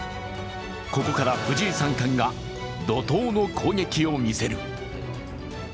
ここから藤井三冠が怒とうの攻撃を見せる。